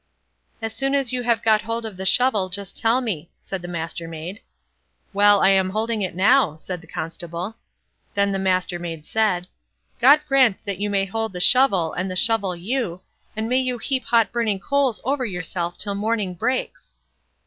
"As soon as you have got hold of the shovel, just tell me", said the Mastermaid. "Well, I am holding it now", said the Constable. Then the Mastermaid said: "God grant that you may hold the shovel, and the shovel you, and may you heap hot burning coals over yourself till morning breaks."